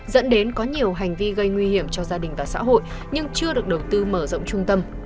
dẫn đến có nhiều hành vi gây nguy hiểm cho gia đình và xã hội nhưng chưa được đầu tư mở rộng trung tâm